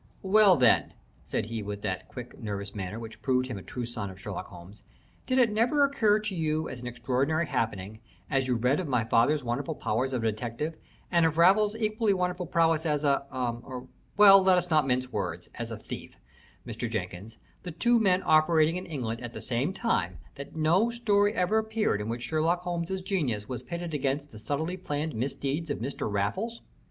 "Well, then," said he with that quick, nervous manner which proved him a true son of Sherlock Holmes, "did it never occur to you as an extraordinary happening, as you read of my father's wonderful powers as a detective, and of Raffles' equally wonderful prowess as a er well, let us not mince words as a thief, Mr. Jenkins, the two men operating in England at the same time, that no story ever appeared in which Sherlock Holmes's genius was pitted against the subtly planned misdeeds of Mr. Raffles?